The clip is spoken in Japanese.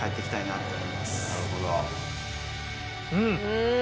うん。